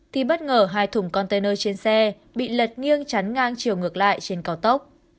thì bất ngờ hai thùng container trên xe bị lật nghiêng chắn ngang chiều ngược lại trên cao tốc